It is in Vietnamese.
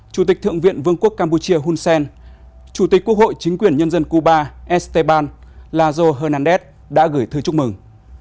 chủ tịch thượng viện vương quốc campuchia hun sen chủ tịch quốc hội chính quyền nhân dân cuba esteban lazo hernandez đã gửi thư chúc mừng